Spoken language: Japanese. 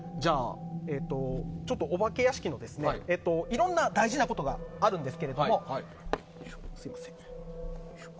お化け屋敷にはいろんな大事なことがあるんです。